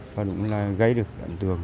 và gây được ảnh tưởng